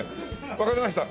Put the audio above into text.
わかりました。